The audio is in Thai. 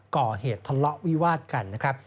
ก่อเหตุทะเลาะวิวาดกันนะครับ